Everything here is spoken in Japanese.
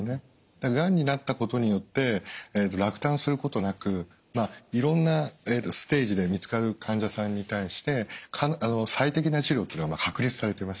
だからがんになったことによって落胆することなくいろんなステージで見つかる患者さんに対して最適な治療っていうのは確立されてます。